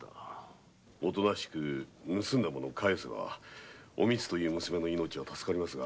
おとなしく盗んだ物を返せばおみつという娘の命は助かりますが。